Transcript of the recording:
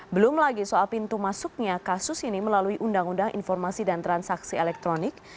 belum lagi soal pintu masuknya kasus ini melalui undang undang informasi dan transaksi elektronik